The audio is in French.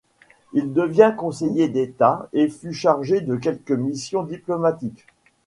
Il devient conseiller d'État et fut chargé de quelques missions diplomatiques.